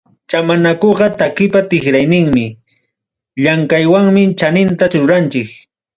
Chamanakuqa takipa tikrayninmi, llamkaywanmi chaninta ruranchik.